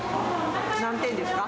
何点ですか？